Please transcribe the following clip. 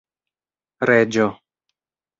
reĝo